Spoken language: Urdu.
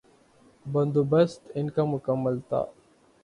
بندوبست ان کا مکمل تھا۔